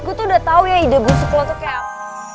gue tuh udah tau ya ide busuk lo tuh kayak apa